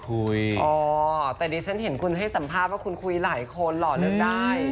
โอ๊ยแต่เดี๋ยวฉันเห็นคุณให้สัมภาพว่าคุณคุยหลายคนหรอกได้